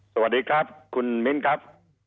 สวัสดีครับคุณมิ้นครับ